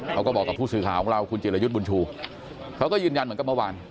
เขาก็บอกกับผู้สื่อข่าวของเราคุณจิรยุทธ์บุญชูเขาก็ยืนยันเหมือนกับเมื่อวาน